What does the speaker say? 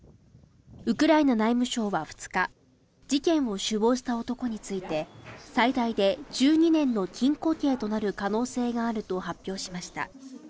ウクライナ内務省は２日事件を首謀した男について最大で１２年の禁錮刑となる可能性があると発表しました。